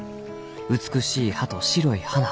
美しい葉と白い花。